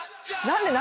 何で？